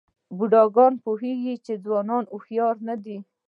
بوډاګان پوهېږي چې ځوانان هوښیاران نه دي.